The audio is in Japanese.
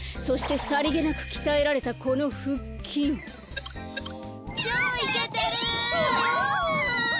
そしてさりげなくきたえられたこのふっきん。